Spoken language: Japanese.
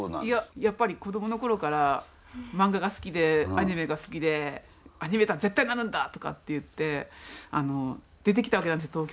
いややっぱり子どもの頃から漫画が好きでアニメが好きで「アニメーター絶対なるんだ！」とかって言って出てきたわけなんです